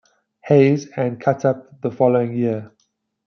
Hayes, and cut up the following year.